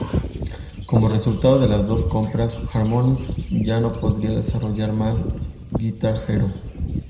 Como resultado de las dos compras, Harmonix ya no podría desarrollar más "Guitar Hero".